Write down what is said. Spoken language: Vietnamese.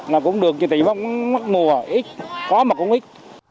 năm cũng được chứ tìm mắc mùa ít có mà cũng ít